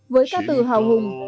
với ca từ hào hùng